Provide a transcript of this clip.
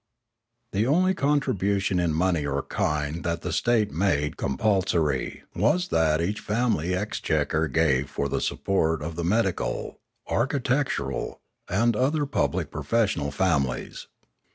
The only contribution in money or kind that the state made compulsory was that which each family exchequer gave for the support of the medical, archi tectural, and other public professional families.